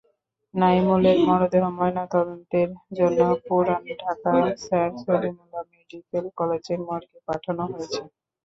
নাইমুলের মরদেহ ময়নাতদন্তের জন্য পুরান ঢাকার স্যার সলিমুল্লাহ মেডিকেল কলেজের মর্গে পাঠানো হয়েছে।